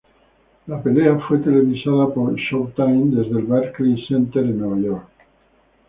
La pelea fue televisada por Showtime desde el Barclays Center en Nueva York.